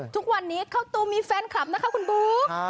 ทุกวันนี้เข้าตูมีแฟนคลับนะคะคุณบุ๊ค